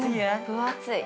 分厚い。